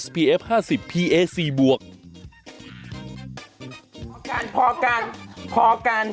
พอกันพอกัน